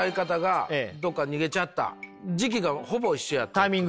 タイミングが？